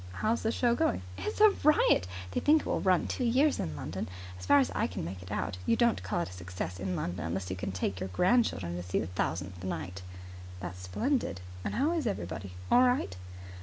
"How's the show going?" "It's a riot. They think it will run two years in London. As far as I can make it out you don't call it a success in London unless you can take your grandchildren to see the thousandth night." "That's splendid. And how is everybody? All right?"